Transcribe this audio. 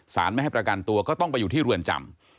ไม่ให้ประกันตัวก็ต้องไปอยู่ที่เรือนจำ